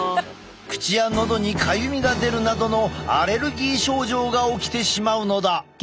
口やのどにかゆみが出るなどのアレルギー症状が起きてしまうのだ。